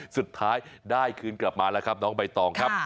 สุดท้ายได้คืนกลับมาแล้วครับน้องใบตองครับ